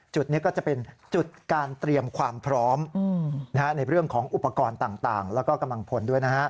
จุดนี้ก็จะเป็นจุดการเตรียมความพร้อมในเรื่องของอุปกรณ์ต่างแล้วก็กำลังพลด้วยนะฮะ